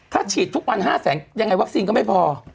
ถ้าฉีดทุกวัน๕แสนยังไงวัคซีนก็ไม่พอ